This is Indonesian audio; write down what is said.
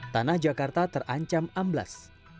tanah jakarta terancam amblas